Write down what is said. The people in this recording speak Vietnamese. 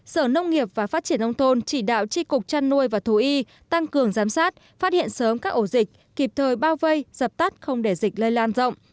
sở nông nghiệp và phát triển nông thôn chỉ đạo tri cục chăn nuôi và thú y tăng cường giám sát phát hiện sớm các ổ dịch kịp thời bao vây dập tắt không để dịch lây lan rộng